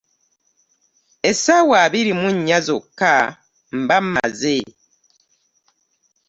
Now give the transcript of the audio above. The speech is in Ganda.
Essaawa abiri mu nnya zokka mba mmaze.